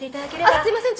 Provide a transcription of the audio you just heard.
あっすいません。